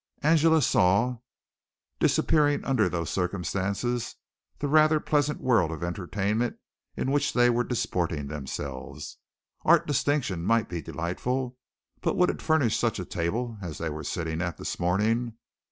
Angela saw, disappearing under those circumstances, the rather pleasant world of entertainment in which they were disporting themselves. Art distinction might be delightful, but would it furnish such a table as they were sitting at this morning?